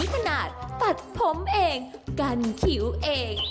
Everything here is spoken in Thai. นิทนาทธ์ตัดผมเองกันขิวเอง